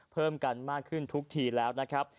เพิ่มกันมากขึ้นทุกทีแล้วนะครับ